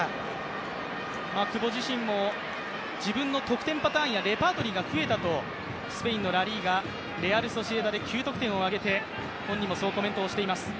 久保自身も自分の得点パターンやレパートリーが増えたとスペインのラ・リーガレアル・ソシエダで９得点を挙げて本人もそうコメントしています。